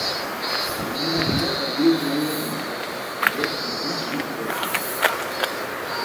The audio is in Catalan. La meva mare es diu Laia Briz: be, erra, i, zeta.